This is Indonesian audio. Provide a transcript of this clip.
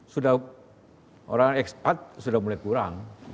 sudah orang ekspat sudah mulai kurang